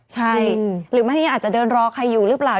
ใช่หรือไม่นี่อาจจะเดินรอใครอยู่หรือเปล่า